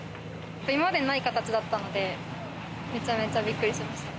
今までにない形だったので、めちゃめちゃびっくりしました。